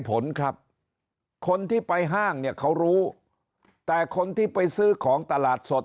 ผลครับคนที่ไปห้างเนี่ยเขารู้แต่คนที่ไปซื้อของตลาดสด